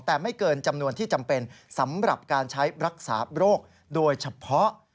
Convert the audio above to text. แต่ไม่เกินจำนวนที่จำเป็นสำหรับการใช้รักษาโรคโดยเฉพาะ